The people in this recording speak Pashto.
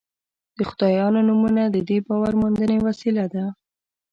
د خدایانو نومونه د دې باور موندنې وسیله ده.